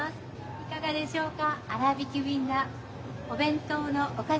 いかがでしょうか。